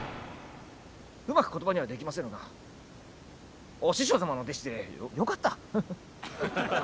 うまく言葉にはできませぬがお師匠様の弟子でよかった。